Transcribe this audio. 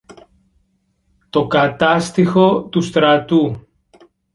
Το Κατάστιχο του Στρατού.